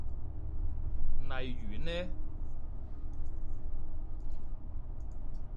例如呢？